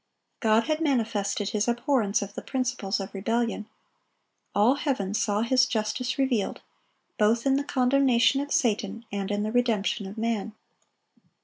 God had manifested His abhorrence of the principles of rebellion. All heaven saw His justice revealed, both in the condemnation of Satan and in the redemption of man.